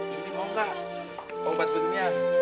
ini mau gak obat beginian